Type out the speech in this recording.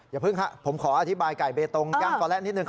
อย่าพึ่งค่ะผมขออธิบายไก่เบตรงกันก่อนแรกนิดหนึ่ง